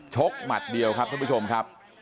หมัดเดียวครับท่านผู้ชมครับ